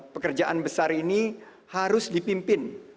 pekerjaan besar ini harus dipimpin